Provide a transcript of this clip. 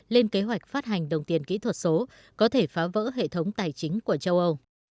lên kế hoạch phát hành đồng tiền kỹ thuật số có thể phá vỡ hệ thống tài chính của châu âu